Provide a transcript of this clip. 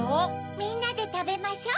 みんなでたべましょう。